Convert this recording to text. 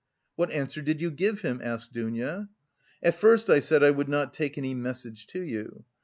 "What answer did you give him?" asked Dounia. "At first I said I would not take any message to you.